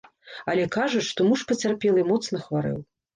Але кажуць, што муж пацярпелай моцна хварэў.